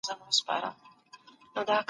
کتاب په کابل پوهنتون کې چاپ شوی دی.